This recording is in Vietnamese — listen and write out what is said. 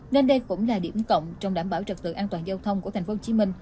nên đây cũng là điểm cộng trong đảm bảo trật tự an toàn giao thông của tp hcm